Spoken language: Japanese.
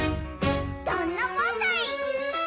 「どんなもんだい！」